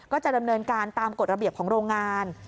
ก็จะดำเนินการตามกฎระเบียบของโรงงาน